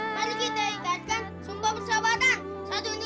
mari kita ingatkan